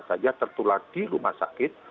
saja tertular di rumah sakit